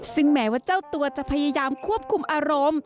ซึ่งแม้ว่าเจ้าตัวจะพยายามควบคุมอารมณ์